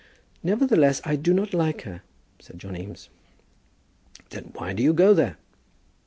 "Nevertheless, I do not like her," said John Eames. "Then why do you go there?"